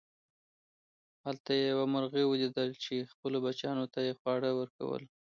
هلته یې یوه مرغۍ وليدله چې خپلو بچیانو ته یې خواړه ورکول.